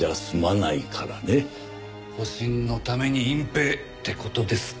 保身のために隠蔽って事ですか。